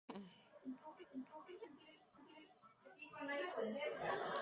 La mezcla hace en esta canción se mantuvo en su forma original.